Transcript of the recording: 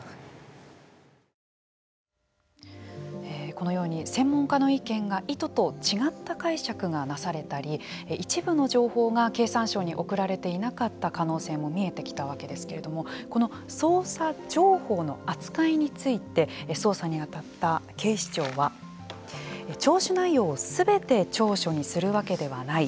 このように専門家の意見が意図と違った解釈がなされたり一部の情報が経産省に送られていなかった可能性も見えてきたわけですけれどもこの捜査情報の扱いについて捜査に当たった警視庁は聴取内容をすべて調書にするわけではない。